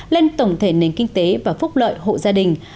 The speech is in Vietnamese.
lên tổng thể nền kinh tế và phúc lợi hộ gia đình